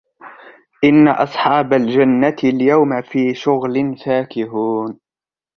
إِنَّ أَصْحَابَ الْجَنَّةِ الْيَوْمَ فِي شُغُلٍ فَاكِهُونَ